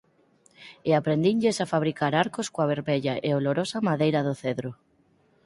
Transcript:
E aprendinlles a fabricar arcos coa vermella e olorosa madeira do cedro.